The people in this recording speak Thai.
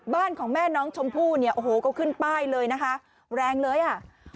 บ้านของแม่น้องชมพู่เนี่ยโอ้โหก็ขึ้นป้ายเลยนะคะแรงเลยอ่ะ